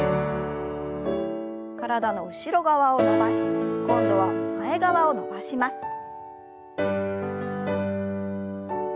体の後ろ側を伸ばして今度は前側を伸ばします。